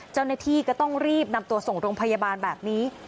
เจ้าหน้าที่ก็ต้องรีบนำตัวส่งโรงพยาบาลแบบนี้